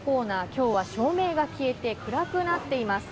今日は照明が消えて暗くなっています。